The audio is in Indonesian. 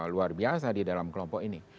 luar biasa di dalam kelompok ini